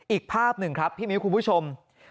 อีกภาพหนึ่งครับพี่มิ้วคุณผู้ชม